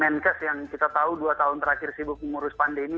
menkes yang kita tahu dua tahun terakhir sibuk mengurus pandemi